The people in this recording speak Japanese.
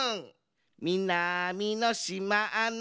「みなみのしまの」